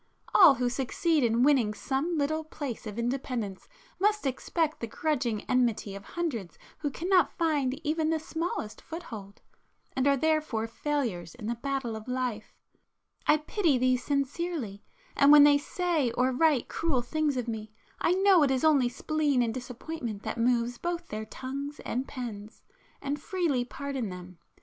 All who succeed in winning some little place of independence must expect the grudging enmity of hundreds who cannot find even the smallest foothold, and are therefore failures in the battle of life,—I pity these sincerely, and when they say or write cruel things of me, I know it is only spleen and disappointment [p 347] that moves both their tongues and pens, and freely pardon them.